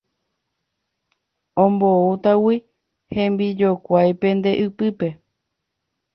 Omboútagui hembijokuáipe nde ypýpe